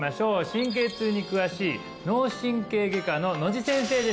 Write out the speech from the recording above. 神経痛に詳しい脳神経外科の野地先生です